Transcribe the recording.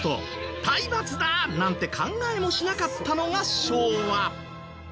体罰だ！なんて考えもしなかったのが昭和。